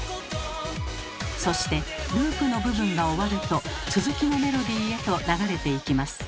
そしてループの部分が終わると続きのメロディーへと流れていきます。